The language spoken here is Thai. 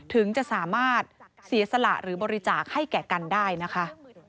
ถึงจะสามารถเสียสละหรือบริจาคให้แก่กันได้นะคะ